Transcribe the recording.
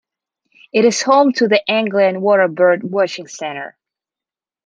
It is home to the Anglian Water Bird Watching Centre.